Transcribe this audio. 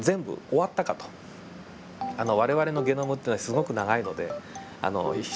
我々のゲノムってのはすごく長いので１